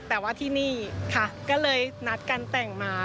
แต่ว่าที่นี่ค่ะก็เลยนัดการแต่งมา